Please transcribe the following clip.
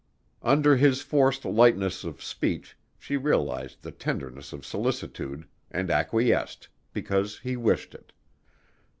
Under his forced lightness of speech, she realized the tenderness of solicitude and acquiesced, because he wished it.